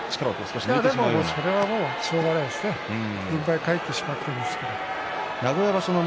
それはしょうがないですね、軍配が返ってしまっているわけですから。